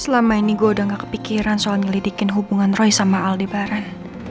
selama ini gua udah gak kepikiran soal ngelidikin hubungan roy sama aldebaran